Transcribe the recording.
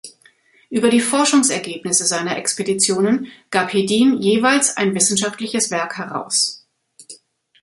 Über die Forschungsergebnisse seiner Expeditionen gab Hedin jeweils ein wissenschaftliches Werk heraus.